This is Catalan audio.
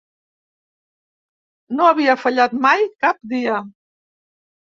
No havia fallat mai cap dia.